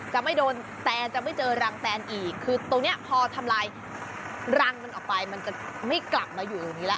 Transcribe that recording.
จะไม่โดนแตนจะไม่เจอรังแตนอีกคือตรงเนี้ยพอทำลายรังมันออกไปมันจะไม่กลับมาอยู่ตรงนี้แล้ว